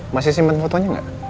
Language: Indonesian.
masih simpen fotonya gak